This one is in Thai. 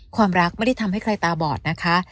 ความรักไม่ได้ทำให้ใครตาบอดนะคะ